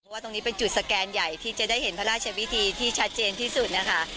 ว่าตรงนี้เป็นจุดสแกนใหญ่ที่จะได้เห็นพระราชวิธีที่ชัดเจนที่สุดนะคะ